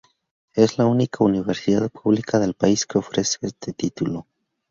Es la única universidad pública del país que ofrece este título.